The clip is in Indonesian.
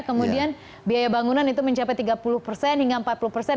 kemudian biaya bangunan itu mencapai tiga puluh persen hingga empat puluh persen